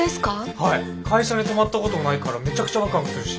はい会社に泊まったこともないからめちゃくちゃワクワクするし。